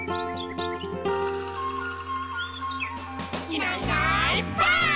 「いないいないばあっ！」